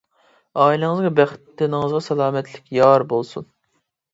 ئائىلىڭىزگە بەخت، تېنىڭىزگە سالامەتلىك يار بولسۇن!